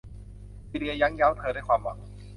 ซีเลียยั่งเย้าเธอด้วยความหวัง